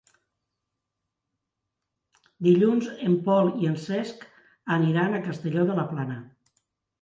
Dilluns en Pol i en Cesc aniran a Castelló de la Plana.